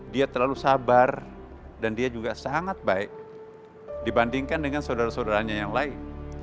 dia terlalu sabar dan dia juga sangat baik dibandingkan dengan saudara saudaranya yang lain